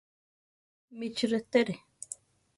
Michi rétere.